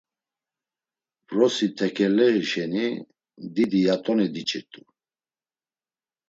Vrosi tekeleği şeni didi yat̆oni diç̌irt̆u.